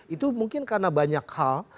itu mungkin karena banyak hal